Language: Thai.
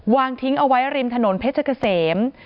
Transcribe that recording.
วางทิ้งเอาไว้ริมถนนเพชรเกษม